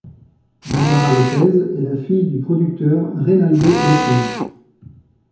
Bárbara López est la fille du producteur Reynaldo López.